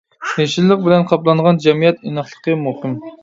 يېشىللىق بىلەن قاپلانغان، جەمئىيەت ئىناقلىقى مۇقىم.